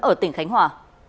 ở tỉnh khánh hòa